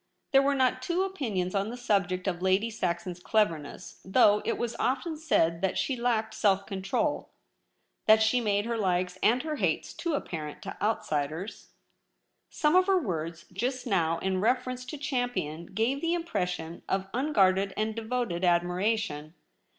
There were not two opinions on the subject of Lady Saxon's cleverness, though it was often said that she lacked self control, that she made her likes and her hates too apparent to outsiders. Some of her words just now in reference to Champion gave the impression of unguarded and devoted admiration.